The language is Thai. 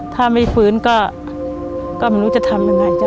ถ้าไม่ฟื้นก็ไม่รู้จะทำยังไง